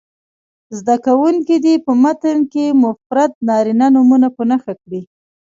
زده کوونکي دې په متن کې مفرد نارینه نومونه په نښه کړي.